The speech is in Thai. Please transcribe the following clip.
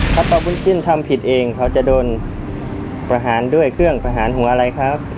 ถ้าต่อคุณจิ้นทำผิดเองเขาจะโดนประหารด้วยเครื่องประหารหัวอะไรครับ